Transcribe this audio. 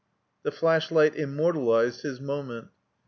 The flashlight immortalized his moment.